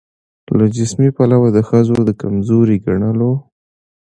له جسمي پلوه د ښځو د کمزوري ګڼلو